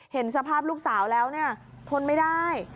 เห็นสภาพลูกสาวแล้วเนี่ยทนไม่ได้